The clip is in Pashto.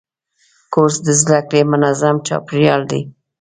کورس د زده کړې منظم چاپېریال دی.